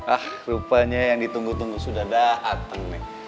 ah rupanya yang ditunggu tunggu sudah datang nih